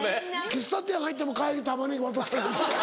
喫茶店入っても帰り玉ねぎ渡される。